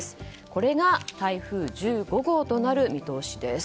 これが台風１５号となる見通しです。